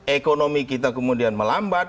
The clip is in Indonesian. ekonomi kita kemudian melambat